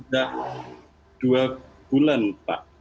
sudah dua bulan pak